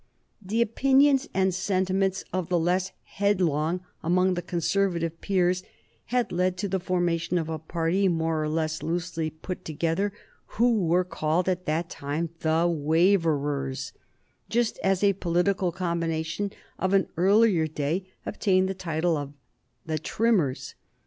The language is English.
The opinions and sentiments of the less headlong among the Conservative peers had led to the formation of a party, more or less loosely put together, who were called at that time the "Waverers," just as a political combination of an earlier day obtained the title of the "Trimmers."